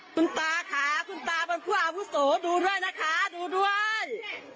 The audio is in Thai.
คุณตาค่ะคุณตาเป็นผู้อาวุโสดูด้วยนะคะดูด้วย